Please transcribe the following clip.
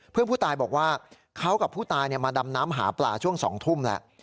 เพื่อนผู้ตายบอกว่าเขากับผู้ตายมาดำน้ำหาปลาช่วง๒ทุ่มแล้ว